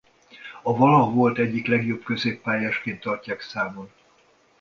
A valaha volt egyik legjobb középpályásként tartják számon.